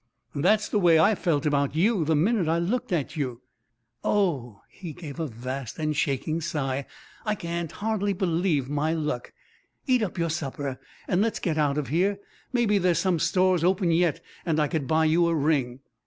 "That's the way I felt about you the minute I looked at you. Oh" he gave a vast and shaking sigh "I can't hardly believe my luck. Eat up your supper and let's get out of here. Maybe there's some stores open yet and I could buy you a ring."